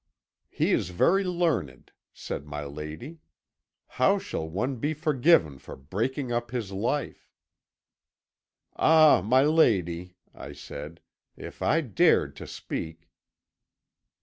"'He is very learned,' said my lady. 'How shall one be forgiven for breaking up his life?' "'Ah, my lady,' I said, 'if I dared to speak!'